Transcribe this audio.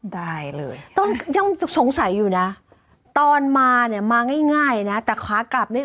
ได้เลยตอนยังสงสัยอยู่นะตอนมาเนี่ยมาง่ายนะแต่ขากลับนี่